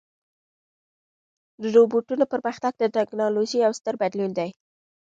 د روبوټونو پرمختګ د ټکنالوژۍ یو ستر بدلون دی.